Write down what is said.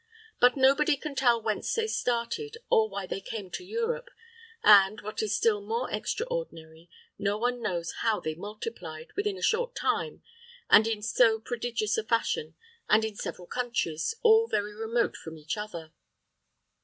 But nobody can tell whence they started, or why they came to Europe, and, what is still more extraordinary, no one knows how they multiplied, within a short time, and in so prodigious a fashion, and in several countries, all very remote from each other.